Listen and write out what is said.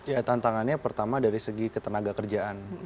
ya tantangannya pertama dari segi ketenaga kerjaan